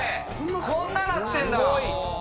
こんなになってんだ。